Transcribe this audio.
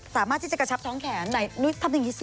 สามารถที่จะกระชับท้องแขนไหนนุ้ยทำอย่างนี้สิ